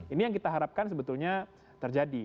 ini yang kita harapkan sebetulnya terjadi